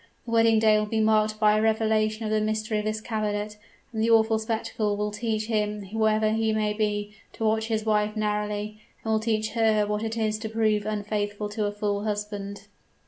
The wedding day will be marked by a revelation of the mystery of this cabinet; and the awful spectacle will teach him, whoever he may be, to watch his wife narrowly and will teach her what it is to prove unfaithful to a fond husband!